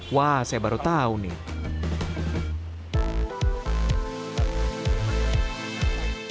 wah saya baru tahu nih